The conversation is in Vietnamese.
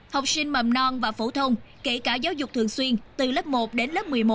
học sinh mầm non và phổ thông kể cả giáo dục thường xuyên từ lớp một đến lớp một mươi một